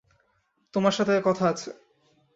তোমার সাথে কথা আছে।